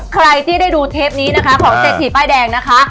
ใครที่ได้ดูเทปนี้นะคะของเศรษฐีป้ายแดงนะคะ